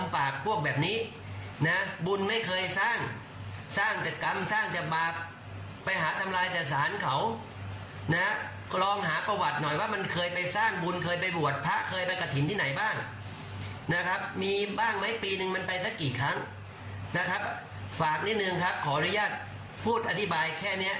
ฝากนิดนึงครับขออนุญาตพูดอธิบายแค่เนี้ย